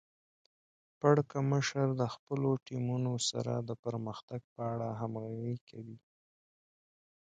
پړکمشر د خپلو ټیمونو سره د پرمختګ په اړه همغږي کوي.